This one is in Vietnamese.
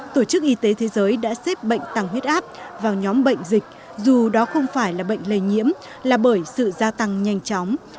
tổ chức y tế thế giới đã xếp bệnh tăng huyết áp vào nhóm bệnh dịch dù đó không phải là bệnh lây nhiễm là bởi sự gia tăng nhanh chóng